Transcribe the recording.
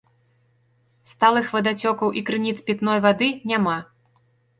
Сталых вадацёкаў і крыніц пітной вады няма.